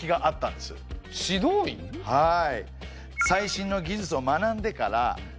はい。